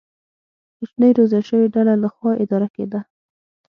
کوچنۍ روزل شوې ډلې له خوا اداره کېده.